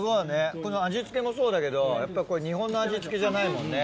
この味付けもそうだけどやっぱりこれ日本の味付けじゃないもんね。